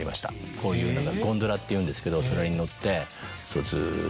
こういうゴンドラっていうんですけどそれに乗ってずっと。